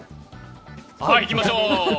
いきましょう。